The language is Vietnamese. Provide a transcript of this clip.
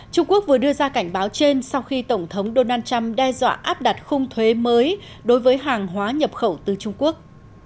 trung quốc vừa đưa ra cảnh báo trên sau khi tổng thống donald trump đe dọa áp đặt khung thuế mới đối với hàng hóa nhập khẩu từ trung quốc